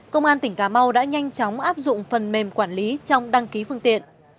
công an tỉnh cà mau đã nhanh chóng áp dụng phần mềm quản lý trong đăng ký phương tiện